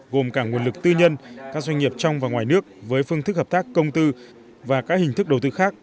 gồm cả nguồn lực tư nhân các doanh nghiệp trong và ngoài nước với phương thức hợp tác công tư và các hình thức đầu tư khác